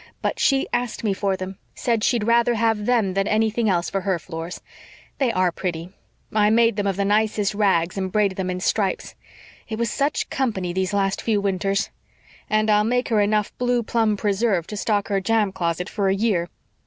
But she asked me for them said she'd rather have them than anything else for her floors. They ARE pretty. I made them of the nicest rags, and braided them in stripes. It was such company these last few winters. And I'll make her enough blue plum preserve to stock her jam closet for a year.